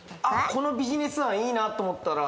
このビジネスはいいなと思ったら。